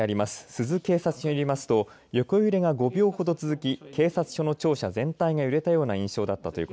珠洲警察署によりますと横揺れが５秒ほど続き警察署の庁舎が全体的に揺れたという印象です。